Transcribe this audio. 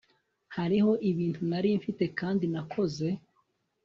Hariho ibintu nari mfite kandi nakoze